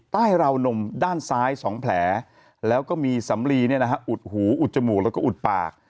ราวนมด้านซ้าย๒แผลแล้วก็มีสำลีอุดหูอุดจมูกแล้วก็อุดปาก